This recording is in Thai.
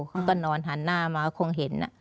เขาก็นอนหันหน้ามาก็คงเห็น